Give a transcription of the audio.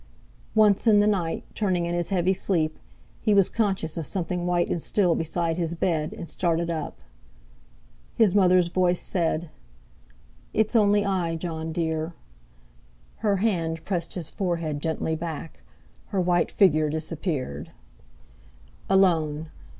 Once in the night, turning in his heavy sleep, he was conscious of something white and still, beside his bed, and started up. His mother's voice said: "It's only I, Jon dear!" Her hand pressed his forehead gently back; her white figure disappeared. Alone!